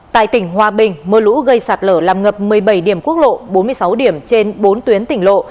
tại tỉnh hòa bình mưa lũ gây sạt lở làm ngập một mươi bảy điểm quốc lộ bốn mươi sáu điểm trên bốn tuyến tỉnh lộ